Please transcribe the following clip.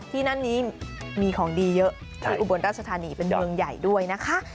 ที่นั่นนี้มีของดีเยอะที่อุบลราชธานีเป็นเมืองใหญ่ด้วยนะคะ